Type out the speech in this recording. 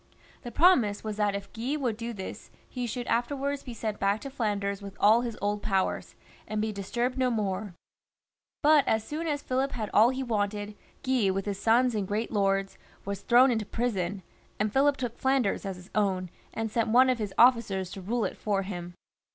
The promise was that if Guy would do this, he should afterwards be sent back to Flanders with all his old powers, and be disturbed no more ; but as soon as Philip had all he wanted, Guy with his sons and great lords was thrown into prison, and Philip took Flanders as his own, and sent one of his officers to rule it for him.